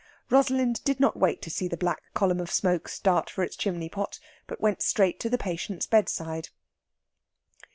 Rosalind did not wait to see the black column of smoke start for its chimney pot, but went straight to the patient's bedside.